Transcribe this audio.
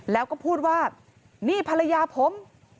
แล้วก็พูดว่านี่ภรรยาผม